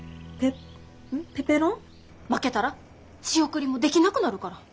負けたら仕送りもできなくなるから。